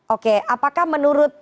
oke apakah menurut mas gibran